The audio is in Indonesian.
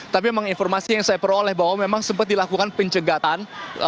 tapi memang informasi yang saya peroleh bahwa memang sempat dilakukan pencegatan